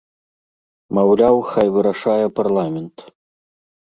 Маўляў, хай вырашае парламент.